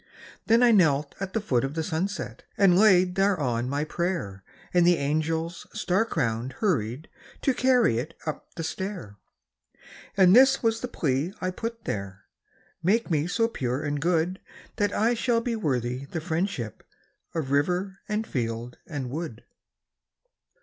Then I knelt at the foot of the sunset, And laid thereon my prayer, And the angels, star crowned, hurried To carry it up the stair. And this was the plea I put there: Make me so pure and good That I shall be worthy the friendship Of river, and field, and wood.